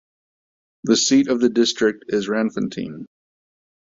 The seat of the district is Randfontein.